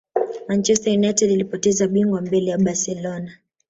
Manchester United ilipoteza bingwa mbele ya barcelona